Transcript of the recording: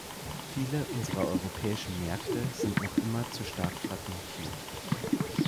Viele unserer europäischen Märkte sind noch immer zu stark fragmentiert.